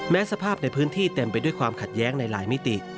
สภาพในพื้นที่เต็มไปด้วยความขัดแย้งในหลายมิติ